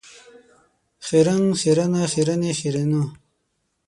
خیرن، خیرنه ،خیرنې ، خیرنو .